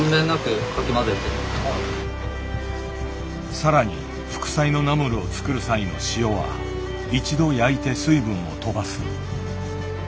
更に副菜のナムルを作る際の塩は一度焼いて水分をとばす。